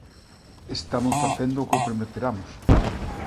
Estamos facendo o que prometeramos.